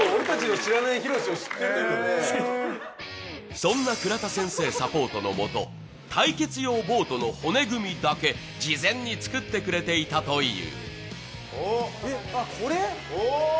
そんな倉田先生サポートのもと、対決用ボートの骨組みだけ事前に作ってくれていたという。